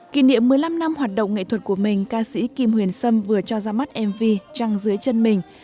kỷ niệm một mươi năm năm hoạt động nghệ thuật của mình ca sĩ kim huyền sâm vừa cho ra mắt mv trăng dưới chân mình